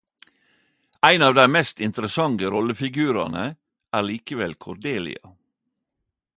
Ein av dei mest interessante rollefigurane er likevel Cordelia.